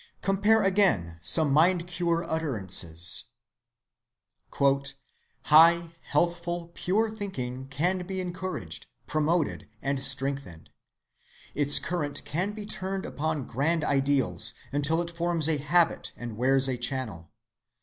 Compare again some mind‐cure utterances:— "High, healthful, pure thinking can be encouraged, promoted, and strengthened. Its current can be turned upon grand ideals until it forms a habit and wears a channel.